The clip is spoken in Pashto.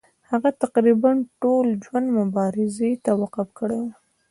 هغه تقریبا ټول ژوند مبارزې ته وقف کړی وو.